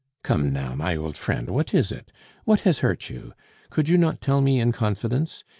"Come, now, my old friend, what is it? What has hurt you? Could you not tell me in confidence?